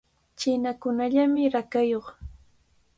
Chinakunallamy rakayuq.